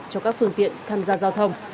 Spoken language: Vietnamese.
cho các phương tiện tham gia giao thông